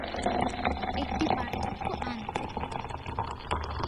একটি পার্থক্য আনতে।